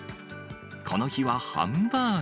この日はハンバーグ。